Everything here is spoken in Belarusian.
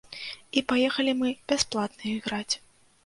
І паехалі мы бясплатны іграць.